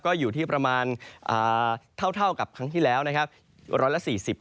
ก็อยู่ที่ประมาณเท่ากับครั้งที่แล้วนะครับ๑๔๐